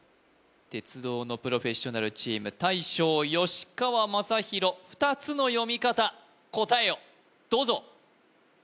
鉄道のプロフェッショナルチーム大将吉川正洋２つの読み方答えをどうぞよし！